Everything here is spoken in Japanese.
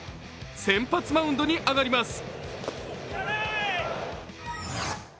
先発マウンドに上がります。